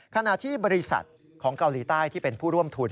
ขณะที่บริษัทของเกาหลีใต้ที่เป็นผู้ร่วมทุน